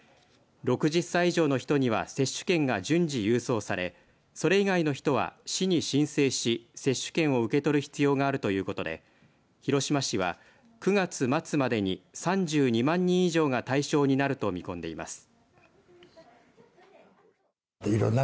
６０歳以上の人には接種券が順次、郵送されそれ以外の人は市に申請し接種券を受け取る必要があるということで広島市は９月末までに３２万人以上が対象になると見込んでいます。